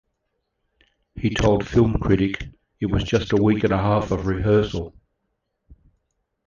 He told "Film Critic": "It was just a week and a half of rehearsal.